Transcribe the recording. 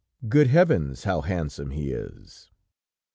Good heavens, how handsome he is!"